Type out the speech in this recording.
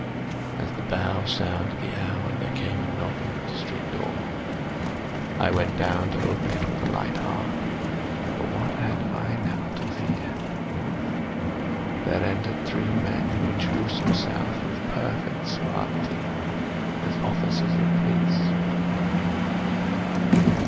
As the bell sounded the hour, there came a knocking at the street door. I went down to open it with a light heart,—for what had I now to fear? There entered three men, who introduced themselves, with perfect suavity, as officers of the police.